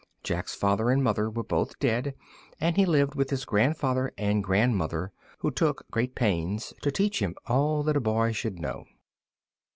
Jack's father and mother were both dead, and he lived with his grandfather and grandmother, who took great pains to teach him all that a boy should know.